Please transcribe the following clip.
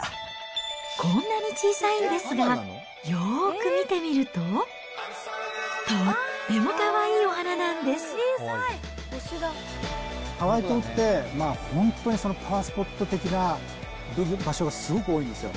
こんなに小さいんですが、よーく見てみると、とってもかわいいおハワイ島って、本当にそのパワースポット的な場所がすごく多いんですよ。